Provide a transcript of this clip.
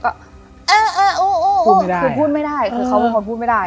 ก็เออเอออู๋อู๋อู๋คือพูดไม่ได้คือเขาเป็นคนพูดไม่ได้